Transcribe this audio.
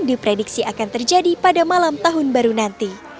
diprediksi akan terjadi pada malam tahun baru nanti